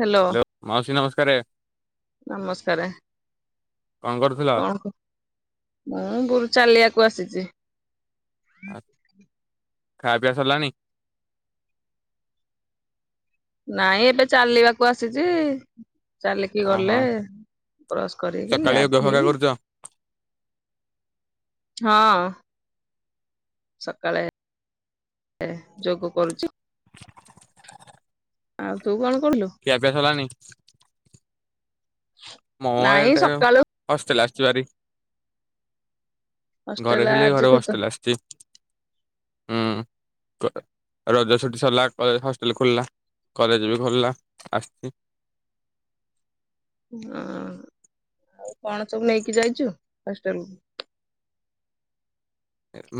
Hello. ମାଉସୀ ନମସ୍କାର। ନମସ୍କାର କଣ କରୁଥିଲ? କଣ କୁହ ମୁଁ ବୁ ଚାଲିବାକୁ ଆସିଛି। ଖାଇବା ପିଆ ସରିଲାଣି? ନାଇଁ ଏବେ ଚାଲିବାକୁ ଆସିଛି। ଚାଲିକି ଓହୋ ଗଲେ ବ୍ରସ୍ କରିକି ସକାଳେ ୟୋଗା ଫୋଗା ଗାଧେଇ କରୁଛ ହଁ ସକାଳେ ଯୋଗ କରୁଛି। ଆଉ ତୁ କଣ କରିଲୁ? ଖିଆ ପିଆ ସରିଲାଣି? [unintelligible] ମୁଁ ନାଇଁ ଏଠେ ସକାଳୁ ହଷ୍ଟେଲ ଆସିିଚିଭାରି। ଘରେ ହଷ୍ଟେଲ ଥିଲେ ଘରେ ଆଜିଠୁ ତ ବସିଥିଲି ଆସିଛି ହୁଁ। ରଜ ଛୁଟି ସରିଲା କଲେ ହଷ୍ଟେଲ ଖୋଲିଲା କଲେଜ ବି ଖୋଲିଲା ଆସିଚି। ହଁ ଆଉ କଣ ସବୁ ନେଇକି ଯାଇଛୁ ହଷ୍ଟେଲୁକୁ?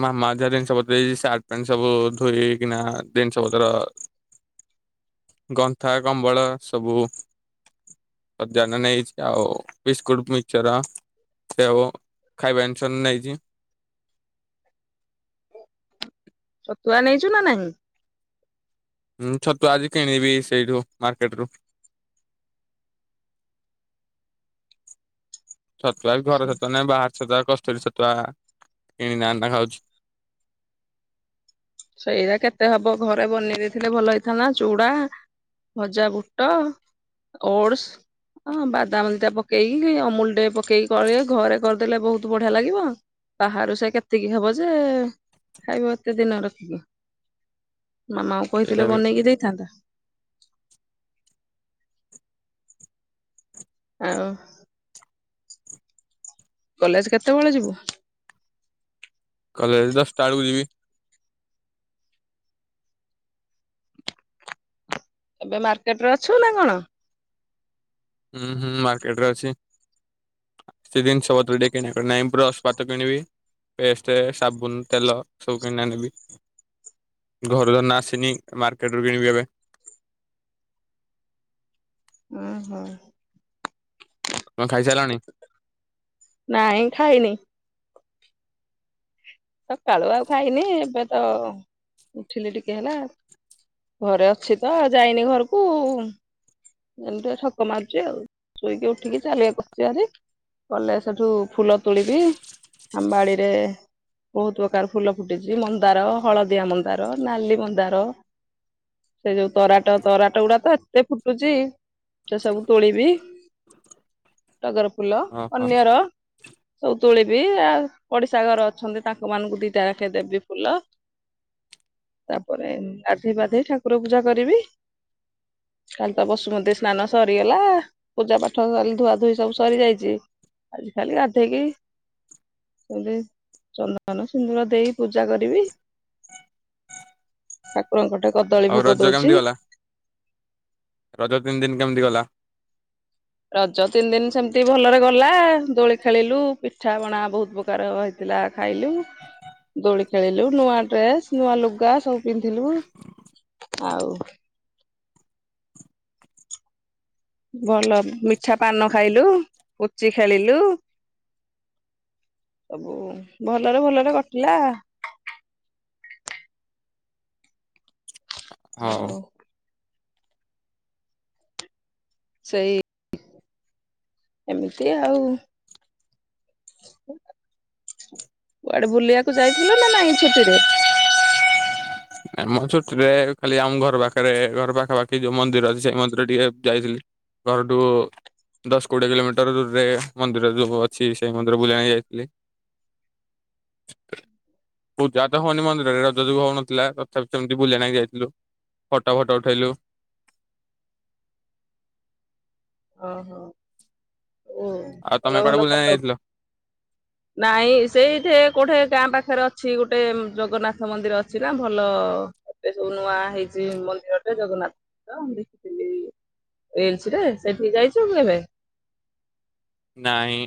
ମାମା ଯାହା ଜିନିଷ ପତ୍ର ଦେଇଚି ସାର୍ଟ ପ୍ୟାଣ୍ଟ ସବୁ ଧୋଇଏଇକିନା ଜିନିଷ ପତ୍ର ଗନ୍ଥା କମ୍ବଳ ସବୁ। ଅଜନା ନେଇଛି ଆଉ ବିସ୍କୁଟ ମିଶ୍ଚର। ସେ ହବ ଖାଇବା ଜିନିଷ ନେଇଛି। ଛତୁଆ ନେଇଛୁ ନା ନାହିଁ? ହୁଁ ଛତୁଆ ଆଜି କିଣିବି ସେଇଠୁ ମାର୍କେଟ ରୁ। ଛତୁଆ ଘର ଛତୁ ନାହିଁ ବାହାର ଛତୁଆ କସ୍ତୁରୀ ଛତୁଆ କିଣନା ଆଣିକିନା ଖାଉଛି। ସେଇରା କେତେ ହବ ଘରେ ବନେଇ ଦେଇଥିଲେ ଭଲ ହେଇଥାନ୍ତା ଚୁଡା ଭଜା ବୁଟ ଓଟସ ହଁ ବାଦାମଦିଟା ପକେଇକି ଅମୁଲ ଟେ ପକେଇକି କଲେ ଘରେ କରିଦେଲେ ବହୁତ ବଢିଆ ଲାଗିବ। ବାହାରୁ ସେ କେତିକି ହବ ଯେ ଖାଇବ ଏତେ ଦିନ ର। ମାମାଙ୍କୁ ସେଇଟା କହିଥିଲେ ବି। ବନେଇକି ଦେଇଥାନ୍ତା। ଆଉ। କଲେଜ କେତେବେଳେ ଯିବୁ? କଲେଜ ଦଶଟା ବେଳକୁ ଯିବି। ଏବେ ମାର୍କେଟ ରେ ଅଛୁ ନା କଣ? ହୁଁ- ହୁଁ ମାର୍କେଟ ରେ ଅଛି କିଛି ଜିନିଷ ପତ୍ର ଟିକେ କିଣାକିଣି ନାଇ ବ୍ରଶ ପାତ କିଣିବି ପେଷ୍ଟ, ସାବୁନ, ତେଲ ସବୁ କିଣି ଆନିବି। ଘରୁ ଧର ଆସିନି ମାର୍କେଟରୁ କିଣିବି ଏବେ। ହଁ- ହଁ। ଖାଇ ସାଲଣି? ନାଇଁ ଖାଇନି। ସକାଳୁ ଆଉ ଖାଇନି ଏବେ ତ ଉଠିଲି ଟିକେ ହେଲା। ଘରେ ଅଛି ତ ଯାଇନି ଘରକୁ। ଏମିତି ଛକ ମାରୁଛି ଆଉ ଶୋଇକି ଉଠିକି ଚାଲିବା କଲେ ସେଠୁ ଫୁଲ ତୋଳିବି ଆମ୍ବାଡିରେ ବହୁତ ପ୍ରକାର ଫୁଲ ଫୁଟିଛି ମନ୍ଦାର, ହଳଦିଆ ମନ୍ଦାର, ନାଲି ମନ୍ଦାର। ସେ ଯୋଉ ତରାଟ ତରାଟ ଗୁଡା ତ ଏତେ ଫୁ ଟୁଚି ସେ ସବୁ ତୋଳିବି ଟଗର ଫୁଲ ଓହୋ ଅନ୍ୟର। ସବୁ ତୋଳିବି ଆ ପଡିଶା ଘର ଅଛନ୍ତି ତାଙ୍କ ମାନଙ୍କୁ ଦିଟା ଆଖ ଦେବି ଫୁଲ। ତାପରେ ଗାଧୋଇ ପାଧେଇ ଠାକୁର ପୂଜା କରିବି। କାଲି ତ ବସୁମତୀ ସ୍ନାନ ସରିଗଲା, ପୂଜା ପାଠ ସ ଧୁଆ ଧୁଇ ସବୁ ସରିଯାଇଛି। ଆଜି ଖାଲି ଗାଧେଇକି ସେଇଠି ଚନ୍ଦନ ସିନ୍ଦୁର ଦେଇ ପୂଜା କରିବି। ଠାକୁରଙ୍କ ଠେ ଆଉ ରଜ କେମିତି ଗଲା ରଜ ତିନି ଦିନ କେମିତି ଗଲା। ରଜ ତିନି ଦିନ ସେମିତି ଭଲରେ ଗଲା, ଦୋଳି ଖେଳିଲୁ ପିଠାପଣା ବହୁତ ପ୍ରକାର ହେଇ ଥିଲା ଖାଇଲୁ। ଦୋଳି ଖେଳିଲୁ, ନୂଆ ଡ୍ରେସ, ନୂଆଲୁଗା ସବୁ ପିନ୍ଧିଲୁ। ଆଉ ଭଲ ମିଠାପାନ ଖାଇଲୁ, ପୁଚି ଖେଳିଲୁ। ସବୁ ଭଲରେ ଭଲରେ କଟିଲା। ହଉ। ସେଇ ଏମିତି ଆଉ। କୁଆଡେ ବୁଲିବାକୁ ଯାଇଥିଲୁ ନା ନାଇଁ ଛୁଟିରେ। ଆ ମୁଁ ଛୁଟିରେ ଖାଲି ଆମ ଘର ପାଖରେ ଘର ପାଖା ପାାଖି ଯୋଉ ମନ୍ଦିର ଅଛି ସେଇ ମନ୍ଦିର ଟିକେ ଯାଇଥିଲି। ଘର ଠୁ ଦଶ କୋଡ଼ିଏ କିଲୋମିଟର ଦୂରରେ ମନ୍ଦିର ଯୋଉ ଅଛି, ସେଇ ମନ୍ଦିର ବୁଲିବା ପାଇଁ ଯାଇଥିଲି। ପୂଜା ତ ହଉନି ମନ୍ଦିରରେ ରଜଯୋଗୁଁ ହଉନଥିଲା ତ ତ ସେମିତି ବୁଲିବା ଲାଗି ଯାଇଥିଲୁ ଫଟୋ ଫଟୋ ଉଠେଇଲୁ। ଓହୋ ଓ ଆଉ ତମେ ଭଲ କୁଆଡେ ଭଲ ବୁଲିବା ନାଗି ଫଟୋ ଯାଇଥିଲ? ନାଇଁ ସେଇଠେ କୋଠେ ଗାଁ ପାଖରେ ଅଛି, ଗୋଟେ ଜଗନ୍ନାଥ ମନ୍ଦିର ଅଛି ନା ଭଲ ଏବେ ସବୁ ନୂଆ ହେଇଛି ମନ୍ଦିରଟେ ଜଗନ୍ନାଥ ମନ୍ଦିର ମୁ ଦେଖିଥିଲି ଏଲ୍ସି ରେ। ସେଠିକି ଯାଇଛୁ କେବେ। ନାଇଁ।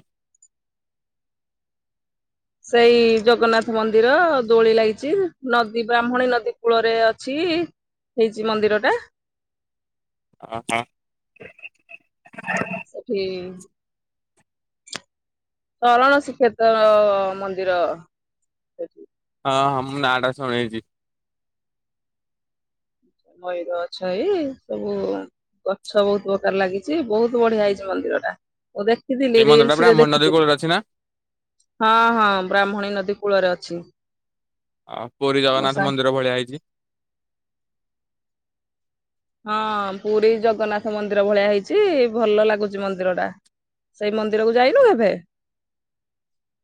ସେଇ ଜଗନ୍ନାଥ ମନ୍ଦିର ଦୋଳି ଲାଗିଛି ନଦୀ, ବ୍ରାହ୍ମଣୀ ନଦୀ କୂଳରେ ଅଛି। ହେଇଛି ମନ୍ଦିର ଟା। ଅ ହଁ। ସେଠି ସରଣ ଶ୍ରୀକ୍ଷେତ୍ର ମନ୍ଦିର ସେଠି। ହଁ ହଁ ମୁଁ ନାଁ ଟା ଶୁଣିଛି। ମୟୂର ଅଛଇ ସବୁ ଗଛ ବହୁତ ପ୍ରକାର ଲାଗିଛି, ବହୁତ ବଢିଆ ହେଇଛି ମନ୍ଦିର ଟା ମୁଁ ଦେଖ ଥିଲି ସେଇ ମନ୍ଦିର ଟା ରିଲ୍ସ ରେ ବ୍ରାହ୍ମଣୀ ନଦୀ ଦେଖିଥିଲି କୂଳରେ ଅଛି ନା? ହଁ ହଁ ବ୍ରାହ୍ମଣୀ ନଦୀ କୂଳରେ ଅଛି। ଆଉ ପୁରୀ ମୋ ଜଗନ୍ନାଥ ସାଙ୍ଗ ମନ୍ଦିର ଭଳିଆ ହେଇଛି। ହଁ ପୁରୀ ଜଗନ୍ନାଥ ମନ୍ଦିର ଭଳିଆ ହେଇଛି ଭଲ ଲାଗୁଚି ମନ୍ଦିର ଟା। ସେଇ ମନ୍ଦିରକୁ ଯାଇନୁ କେବେ।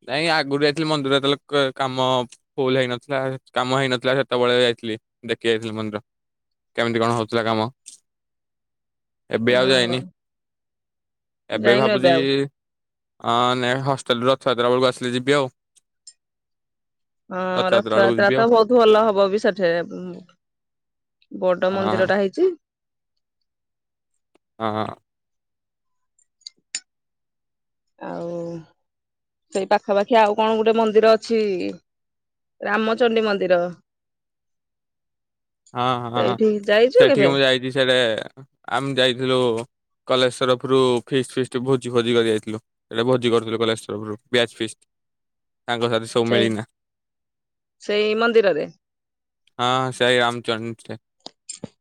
ନାଇଁ ଆଗରୁ ଯାଇଥିଲି ମନ୍ଦିର ଯେ ଯେତେବେଳ କେ କାମ ଫୁଲ ହେଇନଥିଲା କାମ ହେଇନଥିଲା, ସେତେବେଳେ ଯାଇଥିଲି ଦେଖି ଯାଇଥିଲି ମନ୍ଦିର। କେମିତି କଣ ହଉଥିଲା କାମ। ଏବେ ଆଉ ହଁ ଯାଇନି ଏବେ ଯାଇନୁ ଭାବୁଛି ଆଉ ହଁ ନା ହଷ୍ଟେଲ ରୁ ରଥଯାତ୍ରା ବେଳକୁ ଆସିଲେ ଯିବି ଆଉ। ହଁ ବେଳକୁ ରଥଯାତ୍ରା ଯିବି ତ ଆଉ ବହୁତ ଭଲ ହବ ବି ସେଠେ। ବଡ ମନ୍ଦିରଟା ହେଇଛି। ହଁ- ଆଉ ଏଇ ପାଖାପାଖି ଆଉ କଣ ଗୋଟେ ମନ୍ଦିର ଅଛି। ରାମଚଣ୍ଡୀ ମନ୍ଦିର- ହଁ ହଁ ସେଇଠି ଯାଇଛୁ ସେଠିକି କେବେ ମୁଁ ଯାଇଛି ସେଟ ଆମେ ଯାଇଥିଲୁ କଲେଜ ତରଫରୁ ଫିସ୍ ଫିସ୍ଟି ଭୋଜି କରିବାରେ ଯାଇଥିଲୁ। ସେଟା ଭୋଜି କରୁଥିଲ କଲେଜ ତରଫରୁ ବ୍ୟାଚ ତାଙ୍କ ସାଥି- ସବୁ ସେଇ ମିଳେନା ସେଇ ମନ୍ଦିରରେ [unintelligible] ହଁ ସୋଇ ରାମଚନ୍ଦ। [unintelligible]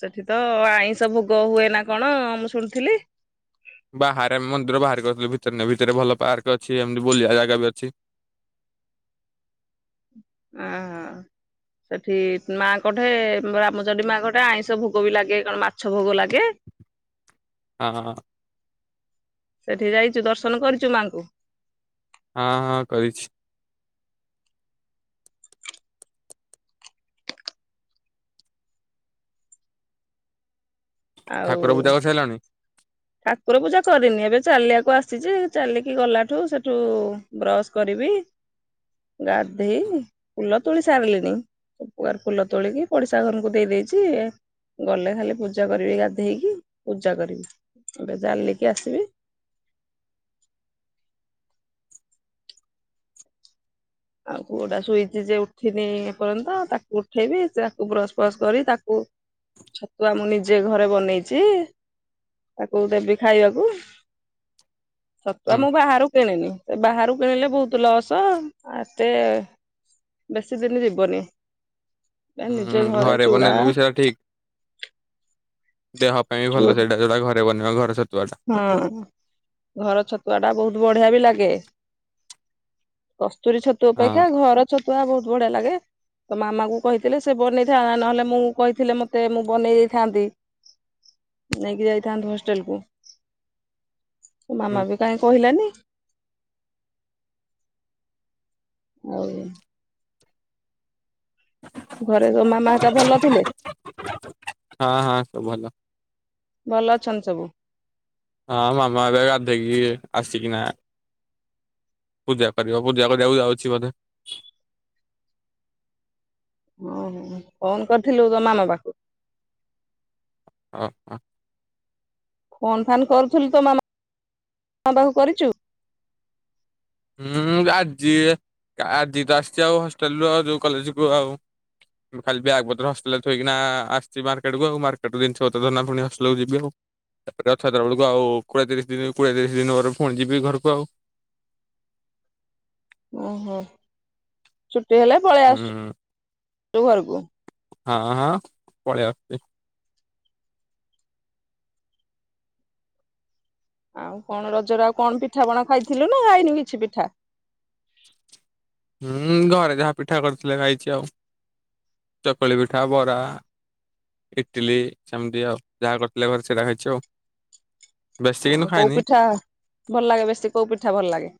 ସେଠି ତ ଆଇଁଷ ଭୋଗ ହୁଏ ନା କଣ ମୁଁ ଶୁଣିଥିଲି। ବାହାରେ ଆମେ ମନ୍ଦିର ବାହାରକୁ ଆସଥିଲୁ ଭିତରେ ନ ଭିତରେ ଭଲ ପାର୍କ ଅଛି ଏମିତି ବୁଲିବା ଜାଗା ବି ଅଛି। ଆ ହ- ସେଠି ମାଆ କଠେ ରାମଚଣ୍ଡୀ ମା କଠେ ଆଇଁଷ ଭୋଗ ବି ଲାଗେ କଣ ମାଛ ଭୋଗ ଲାଗେ। ହଁ। ସେଠି ଯାଇଚୁ ଦର୍ଶନ କରିଚୁ ମାଆଙ୍କୁ। ହଁ ହଁ କରିଛି। ଆଉ ଠାକୁର ପୂଜା କରି ସାଇଲାଣି। ଠାକୁର ପୂଜା କରିନି ଏବେ ଚାଲିବାକୁ ଆସିଛି ଯେ ଚାଲିକି ଗଲାଠୁ ସେଠୁ ବ୍ରଶ କରିବି ଗାଧେଇ ଫୁଲ ତୋଳି ସାରିଲିଣିି। ସବୁ ପ୍ରକାର ଫୁଲ ତୋଳିକି ପଡିଶା ଘରକୁ ଦେଇଦେଇଛି- ଗଲେ ଖାଲି ପୂଜା କରିବି ଗାଧେଇକି ପୂଜା କରିବି ଏବେ ଜାଲିକି ଆସିବି। ଆଉ ପୁଅଟା ସୁଇଛି ଯେ ଉଠିନି ଏପର୍ଯ୍ୟନ୍ତ ତାକୁ ଉଠେଇବି ସେ ତାକୁ ବ୍ରସ ଫ୍ରସ୍ କରି ତାକୁ ଛତୁଆ ମୁଁ ନିଜେ ଘରେ ବନେଇଛି ତାକୁ ଦେବି ଖାଇବାକୁ। ଛତୁଆ ହୁଁ ମୁଁ ବାହାରୁ କିଣିନି ସେ ବାହାରୁ କିଣିଲେ ବହୁତ ଲସ୍- ଅ ଏତେ ବେଶୀ ଦିନ ଯିବନି। ହଁ ନିଜେ ଘରେ ଚୁଡା ବନେଇଲେ ବି ସେୟଟା ଠିକ। ଦେହ ପାଇଁ ବି ଚୁ ଭଲ ସେଇଟା ଯୋଟା ଘରେ ବନେଇବା ଘର ଛତୁଆ ଟା। ହଁ ଘର ଛତୁଆ ଟା ବହୁତ ବଢିଆ ବି ଲାଗେ। କସ୍ତୁରୀ ଛତୁ ହଁ ଅପେକ୍ଷା ଘର ଛତୁଆ ବହୁତ ବଢିଆ ଲାଗେ। ତ ମାମା କ କହିଥିଲେ ସେ ବନେଇଥାନ୍ ନହେଲେ ମୁଁ କହିଥିଲେ ମତେ ମୁଁ ବନେଇ ଦେଇଥାନ୍ତି। ନେଇକି ଯାଇଥାନ୍ତୁ ହଷ୍ଟେଲ କୁ। ମାମା ବି କାହିଁ କହିଲାନି। ହଉ। ଘରେ ତୋ ମାମା ହରି କା ଭଲ ଥିଲେ? ହଁ ହଁ ସବୁ ଭଲ ଭଲ ଅଛନ୍ତି ସବୁ। ହଁ ମାମା ହରିକା ଗାଧେଇକି ଆସିକିନା ପୂଜା କରିବ ପୂଜା କରିବାକୁ ଯାଉଚି ବୋଧେ। ଓହୋ ଫୋନ୍ କରିଥିଲୁ ତୋ ମାମା ପାଖକୁ? ଓ ହ। ଫୋନ୍ ଫାନ୍ କରୁଥିଲୁ ତ ମାମା ମାମ ପାଖକୁ କରିଚୁ? ହୁଁ ଆଜି ଆଜି ତ ଆସିଚି ଆଉ ହଷ୍ଟେଲରୁୁ ଆଉ ଯୋଉ କଲେଜ କୁ ଆଉ। ମୁ ଖାଲି ବ୍ୟାଗ ପତ୍ର ହଷ୍ଟେଲରେ ଥୋଇକିନା ଆସିଚି ମାର୍କେଟକୁ। ଆଉ ମାର୍କେଟ ରୁ ଜିନିଷ ପତ୍ର ଧରି ନା ପୁଣି ହଷ୍ଟେଲକୁ ଯିବି ଆଉ। ତାରେ ରଥଆତ୍ରା ବେଳକୁ ଆଉ କୋଏତିରିଶ ଦିନ କୋଡିଏତିରିଶ ଦିନ ପରେ ପୁଣି ଯିବି ଘରକୁ ଆଉ। ଓହୋ ଛୁଟି ହେଲେ ପଳେଇ ହୁଁ ଆସୁୁ ଘରକୁ? ହଁ ହଁ ପଳେଇ ଆସଚି। ଆଉ କଣ ରଜରେ ଆଉ କଣ ପିଠାପଣା ଖାଇଥିଲୁ ନା ଖାଇନୁ କିଛି ପିଠା? ହୁଁ ଘରେ ଯାହା ପିଠା କରିଥିଲେ ଖାଇଚି ଆଉ ଚକୁଳି ପିଠା ବରା। ଇଟିଲି ସେମିତି ଆଉ ଯାହା କରିଥିଲେ ଘରେ ସେଇଟା ହେଇଚି ଆଉ। ବେଶୀ କିନ୍ତୁ ଆ କୋଉ ଖାଇନି ପିଠା ଭଲ ଲାଗେ ବେଶୀ କୋଉ ପିଠା ଭଲ ଲାଗେ?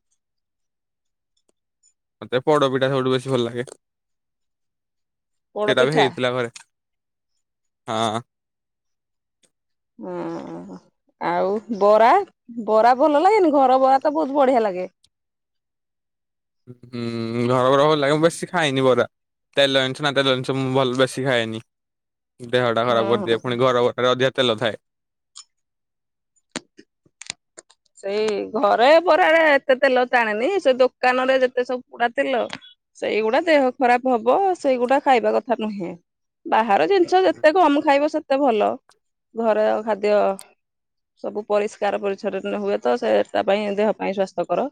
ମତେ ପୋଡପିଠା ସବୁଠୁ ବେଶୀ ଭଲ ଲାଗେ। ପୋଡ ସେଇଟା ବି ପିଠା ହେଇଥିଲା ଘରେ। ହଁ। ହୁଁ ହୁଁ। ଆଉ ବରା ବରା ଭଲ ଲାଗେନି? ଘର ବରା ତ ବହୁତ ବଢିଆ ଲାଗେ। ହୁଁ ହୁଁ ଘର ବରା ଭଲ ଲାଗ ମୁ ବେଶି ଖାଇନି ବରା। ତେଲ ଜିନିଷ ନା ତେଲ ଜିନିଷ ମୁଁ ଭଲ ବେଶୀ ଖାଏନି। ଦେହଟା ଖରାପ ହଁ ହଁ। କରିଦିଏ। ପୁଣି ଘର ବରାରେ ଅଧିକା ତେଲ ଥାଏ। ସେଇ ଘରେ ବରା ରେ ଏତେ ତେଲ ଟାଣେନି। ସେ ଦୋକାନ ରେ ଯେତେ ସବୁ ପୋଡା ତେଲ ସେଇଗୁଡା ଦେହ ଖରାପ ହବ, ସେଇଗୁଡା ଖାଇବା କଥା ନୁହେଁ। ବାହାର ଯିନ୍ ସ ହୁଁ ଯେତେ କମ୍ ଖାଇବ ସେତେ ଭଲ। ଘରେ ଖାଦ୍ୟ ସବୁ ପରିଷ୍କାର ପରିଚ୍ଛନ୍ନ ହୁଏ ତ ସେ ତା ପାଇଁ ଦେହ ପାଇଁ ସ୍ଵାସ୍ଥ୍ୟ କର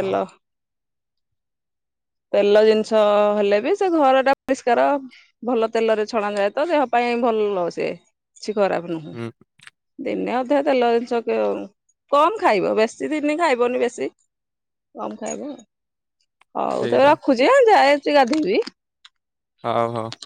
ହଁ ତେଲ ଜିନିଷ ହେଲେ ବି ସେ ଘର ଟା ପରିଷ୍କାର ଭଲ ତେଲରେ ଛଣାଯାଏ ତ ଦେହ ପାଇଁ ଭଲ ସେ କିଛି ଖରାପ ନୁହଁ। ହୁଁ। ଦିନେ ଅଧେ ତେଲ ଜିନିଷ କେ କମ୍ ଖାଇବ, ବେଶୀ ଦିନି ଖାଇବନି ବେଶୀ। କମ ଖାଇବ ଆଉ। ହଉ ତେବେ ସେଇଟା ରଖୁଚି ହାଁ ଯାଉଚି ଗାଧେଇବି। ହଉ ହଉ।